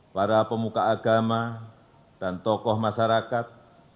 para pemuka agama dan tokoh masyarakat